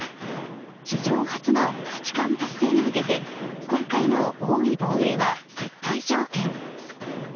史上初の八冠達成に向けて今回の王位防衛は絶対条件。